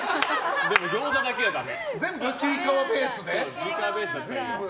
でもギョーザだけはダメ。